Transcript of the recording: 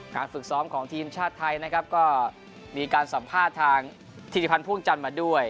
ฝึกซ้อมของทีมชาติไทยนะครับก็มีการสัมภาษณ์ทางธิริพันธ์พ่วงจันทร์มาด้วย